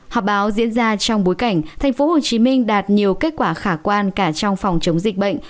họp báo diễn ra trong bối cảnh tp hcm đạt nhiều kết quả khả quan cả trong phòng chống dịch bệnh